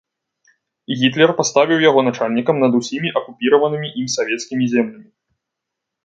Гітлер паставіў яго начальнікам над усімі акупіраванымі ім савецкімі землямі.